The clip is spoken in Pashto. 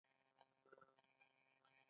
د بیکارۍ کچه کمه ده.